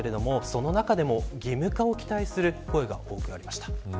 その中でも、義務化を期待する声が多くありました。